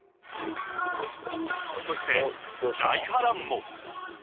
［そして大波乱も］